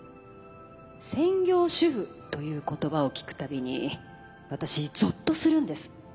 専業主婦という言葉を聞く度に私ゾッとするんです。